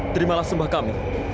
terimalah sembah kami